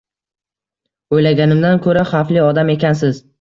O`ylaganimdan ko`ra xavfli odam ekansiz